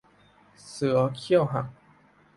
เสือเขี้ยวหัก